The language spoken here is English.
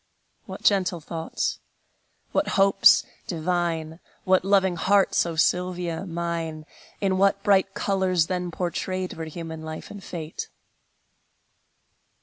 What gentle thoughts, what hopes divine, What loving hearts, O Sylvia mine! In what bright colors then portrayed Were human life and fate!